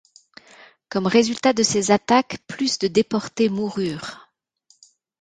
Comme résultat de ces attaques, plus de déportés moururent.